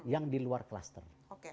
yang diluar cluster